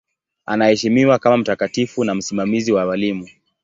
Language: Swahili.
Anaheshimiwa kama mtakatifu na msimamizi wa walimu.